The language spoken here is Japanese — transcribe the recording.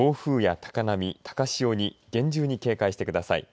暴風や高波、高潮に厳重に警戒してください。